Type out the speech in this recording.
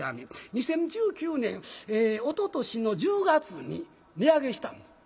２０１９年おととしの１０月に値上げしたんです。